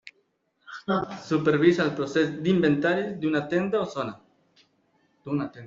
Supervisa el procés d'inventaris d'una tenda o zona.